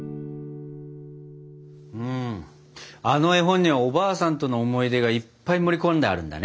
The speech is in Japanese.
うんあの絵本にはおばあさんとの思い出がいっぱい盛り込んであるんだね。